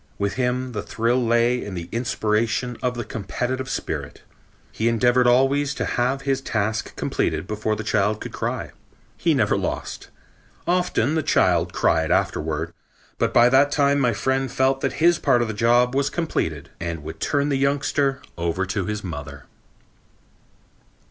With him the thrill lay in the inspiration of the competitive spirit. He endeavored always to have his task completed before the child could begin to cry. He never lost. Often the child cried afterward, but by that time my friend felt that his part of the job was completed and would turn the youngster over to her mother.